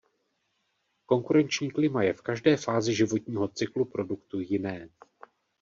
Konkurenční klima je v každé fázi životního cyklu produktu jiné.